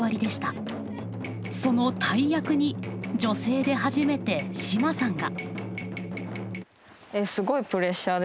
その大役に女性で初めて島さんが。